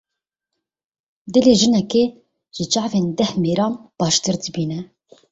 Dilê jinekê ji çavên deh mêran baştir dibîne.